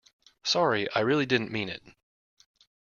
Sorry, I really didn't mean it.